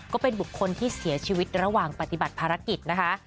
ก็เป็นบุคคลที่เสียชีวิตระหว่างปฏิบัติภารกิจนะคะ